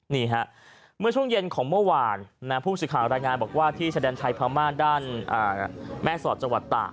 นี่ฮะเมื่อช่วงเย็นของเมื่อวานผู้สิทธิ์ข่าวรายงานบอกว่าที่แสดงไทยพามาด้านแม่สอดจต